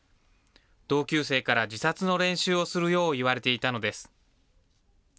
同級生から自殺の練習をするよう言われていたのです。